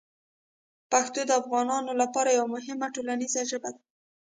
پښتو د افغانانو لپاره یوه مهمه ټولنیزه ژبه ده.